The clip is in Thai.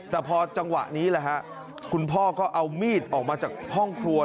แต่พอจังหวะนี้แหละฮะคุณพ่อก็เอามีดออกมาจากห้องครัว